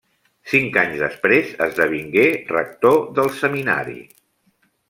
Cinc anys després esdevingué rector del seminari.